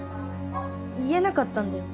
言えなかったんだよ。